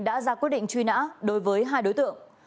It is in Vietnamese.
đã ra quyết định truy nã đối với hai đối tượng